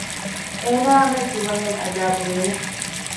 އޭނާއާމެދު ތިމަންމެން އަޖައިބު ވީމު